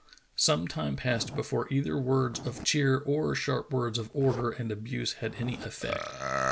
Some time passed before either words of cheer or sharp words of order and abuse had any eflfect.